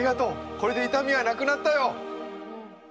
これで痛みはなくなったよ。